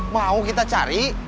mau kita cari